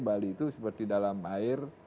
bali itu seperti dalam air